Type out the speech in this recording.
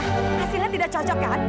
hasilnya tidak cocok kan